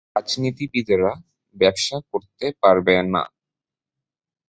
রাজনীতিবিদেরা ব্যবসা করতে পারবে না।